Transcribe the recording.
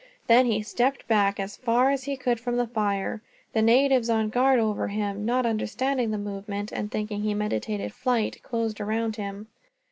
Then he stepped back as far as he could from the fire. The natives on guard over him, not understanding the movement, and thinking he meditated flight, closed around him.